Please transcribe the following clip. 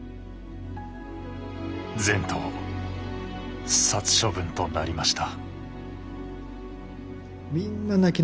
全頭殺処分となりました。